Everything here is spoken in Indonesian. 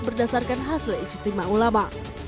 berdasarkan hasil istimewa ulama